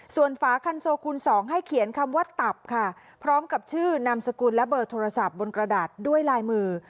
ส่วนฝาคันโซคูณ๒ให้เขียนคำว่าตับค่ะพร้อมกับชื่อนามสกุลและเบอร์โทรศัพท์บนกระดาษด้วยลายมือ